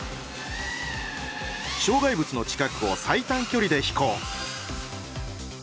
障害物の近くを最短距離で飛行。